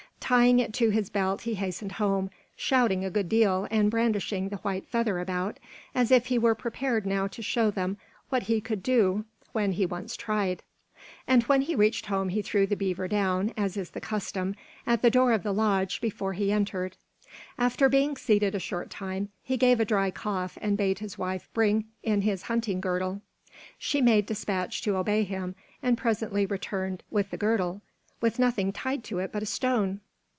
Tying it to his belt he hastened home, shouting a good deal and brandishing the white feather about, as if he were prepared now to show them what he could do when he once tried. And when he reached home he threw the beaver down, as is the custom, at the door of the lodge before he entered. After being seated a short time, he gave a dry cough and bade his wife bring in his hunting girdle. She made despatch to obey him and presently returned with the girdle, with nothing tied to it but a stone.